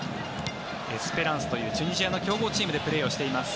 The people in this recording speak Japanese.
エスペランスというチュニジアの強豪チームでプレーしています。